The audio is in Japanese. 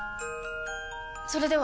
それでは！